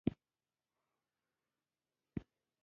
د ختیز ګړدود متلونه هم خپل ځانګړتیاوې لري